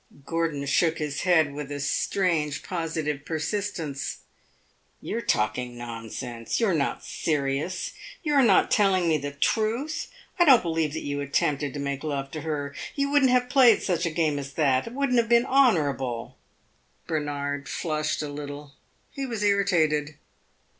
Gordon shook his head with a strange positive persistence. "You are talking nonsense. You are not serious. You are not telling me the truth. I don't believe that you attempted to make love to her. You would n't have played such a game as that. It would n't have been honorable." Bernard flushed a little; he was irritated.